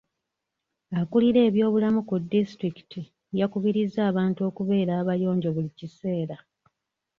Akulira ebyobulamu ku disitulikiti yakubirizza abantu okubeera abayonjo buli kiseera.